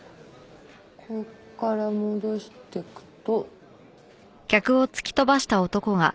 ここから戻していくと。